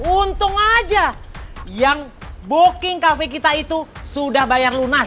untung aja yang booking cafe kita itu sudah selesai